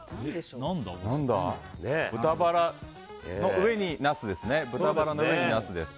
豚バラの上にナスです。